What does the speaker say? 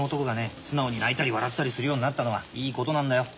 素直に泣いたり笑ったりするようになったのはいいことなんだよ。